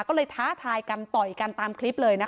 ก็เลยท้าทายกันต่อยกันตามคลิปเลยนะคะ